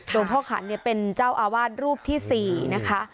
หลวงพ่อขันเป็นเจ้าอาวาสรูปที่๔นะคะ